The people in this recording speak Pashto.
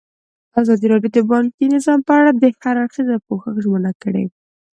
ازادي راډیو د بانکي نظام په اړه د هر اړخیز پوښښ ژمنه کړې.